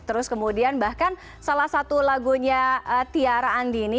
terus kemudian bahkan salah satu lagunya tiara andini